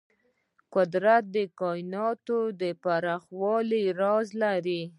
قدرت د کایناتو د پراخوالي راز لري.